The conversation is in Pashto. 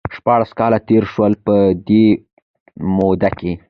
شپاړس کاله تېر شول ،په دې موده کې